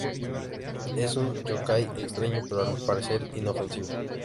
Es un yōkai extraño pero al parecer inofensivo.